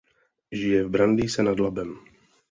Žije v Brandýse nad Labem.